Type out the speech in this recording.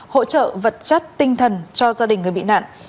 hỗ trợ vật chất tinh thần cho gia đình người bị nạn